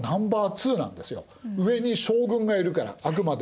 上に将軍がいるからあくまでも。